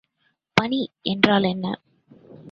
பனி என்றால் என்ன?